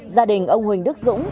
gia đình ông huỳnh đức dũng